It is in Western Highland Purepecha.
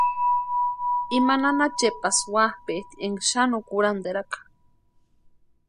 Ima nana Chepasï wapʼeeti énka xani no kurhanterakʼa.